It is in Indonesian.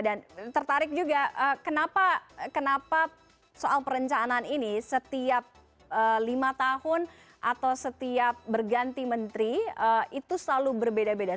dan tertarik juga kenapa soal perencanaan ini setiap lima tahun atau setiap berganti menteri itu selalu berbeda beda